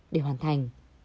để hoàn thành